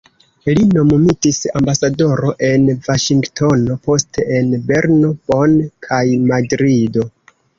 Li nomumitis ambasadoro en Vaŝingtono, poste en Berno, Bonn kaj Madrido.